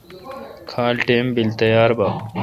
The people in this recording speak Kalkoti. کھال ٹئم بل تیار با۔